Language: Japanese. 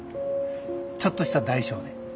ちょっとした代償で。